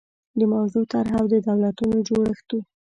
د موضوع طرحه او د دولتونو جوړښت